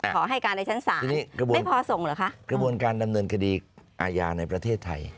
ขอให้การในชั้นศาลทีนี้กระบวนไม่พอส่งเหรอคะกระบวนการดำเนินคดีอาญาในประเทศไทย